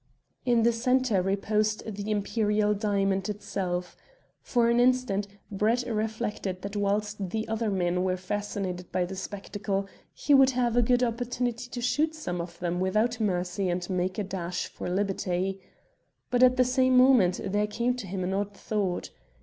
In the centre reposed the Imperial diamond itself. For an instant Brett reflected that whilst the other men were fascinated by the spectacle, he would have a good opportunity to shoot some of them without mercy and make a dash for liberty. But at the same moment there came to him an odd thought.